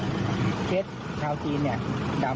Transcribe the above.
ผมยังอยากรู้ว่าว่ามันไล่ยิงคนทำไมวะ